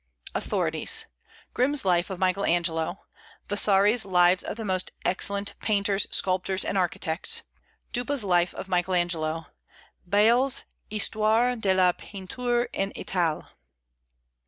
AUTHORITIES. Grimm's Life of Michael Angelo; Vasari's Lives of the Most Excellent Painters, Sculptors and Architects; Duppa's Life of Michael Angelo; Bayle's Histoire de la Peinture en Italie.